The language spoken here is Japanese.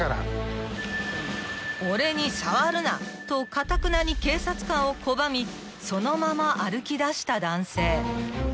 ［とかたくなに警察官を拒みそのまま歩きだした男性］